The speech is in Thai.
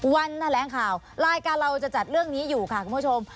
วันแถลงข่าวรายการเราจะจัดเรื่องนี้อยู่ค่ะคุณผู้ชม